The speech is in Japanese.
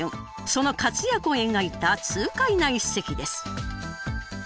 その活躍を描いた痛快な一席です。